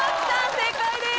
正解です！